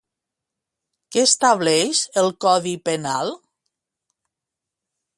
Què estableix el Codi Penal?